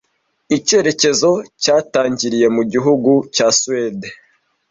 Icyerekezo cyatangiriye mu gihugu cya Suwede